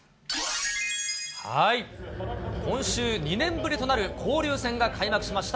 今週、２年ぶりとなる交流戦が開幕しました、